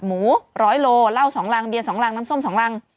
หมู๑๐๐โลเหล้า๒รังเบียร์๒รังน้ำส้ม๒รัง